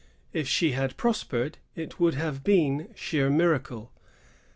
If she had prospered, it would have been sheer miracle.